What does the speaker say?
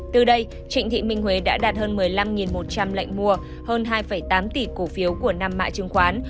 từ đây trịnh thị minh huế đã đạt hơn một mươi năm một trăm linh lệnh mua hơn hai tám tỷ cổ phiếu của năm mạ chứng khoán